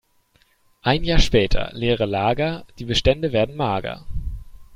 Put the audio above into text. Ein Jahr später: Leere Lager, die Bestände werden mager.